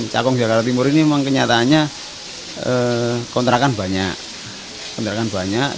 cakung jakarta timur ini memang kenyataannya kontrakan banyak